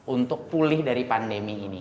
untuk pulih dari pandemi ini